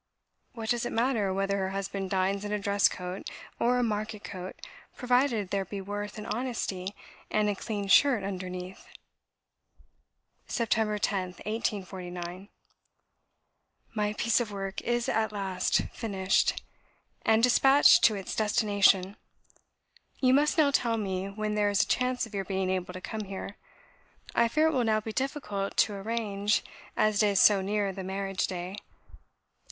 What does it matter whether her husband dines in a dress coat, or a market coat, provided there be worth, and honesty, and a clean shirt underneath?" "Sept. 10th, 1849. "My piece of work is at last finished, and despatched to its destination. You must now tell me when there is a chance of your being able to come here. I fear it will now be difficult to arrange, as it is so near the marriage day.